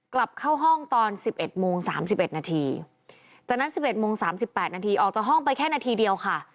กลับเข้าห้องตอนสิบเอ็ดโมงสามสิบเอ็ดนาทีจากนั้นสิบเอ็ดโมงสามสิบแปดนาทีออกจากห้องไปแค่นาทีเดียวค่ะ